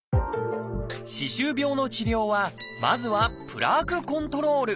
歯周病の治療はまずは「プラークコントロール」。